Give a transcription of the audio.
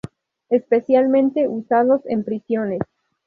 Especialmente usados en prisiones.